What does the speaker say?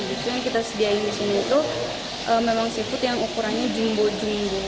itu yang kita sediakan disini itu memang seafood yang ukurannya jumbo jumbo